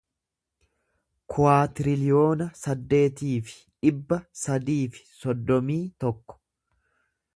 kuwaatiriliyoona saddeetii fi dhibba sadii fi soddomii tokko